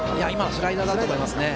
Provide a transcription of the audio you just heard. スライダーだと思います。